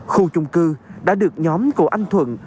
khu chung cư đã được nhóm của anh thuận